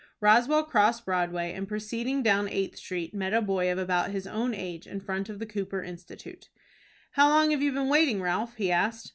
Roswell crossed Broadway, and, proceeding down Eighth Street, met a boy of about his own age in front of the Cooper Institute. "How long have you been waiting, Ralph?" he asked.